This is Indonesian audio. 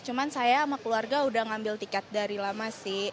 cuma saya sama keluarga udah ngambil tiket dari lama sih